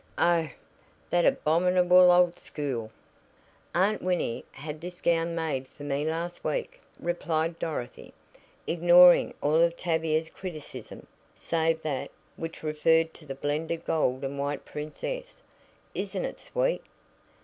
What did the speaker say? Oh, that abominable old school!" "Aunt Winnie had this gown made for me last week," replied Dorothy, ignoring all of Tavia's criticism save that which referred to the blended gold and white princess. "Isn't it sweet?"